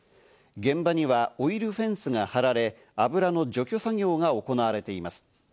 現場にはオイルフェンスが張られ、油の除去作業が行われています。